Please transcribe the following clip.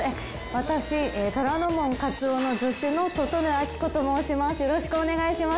私虎ノ門勝男の助手の整井明子と申します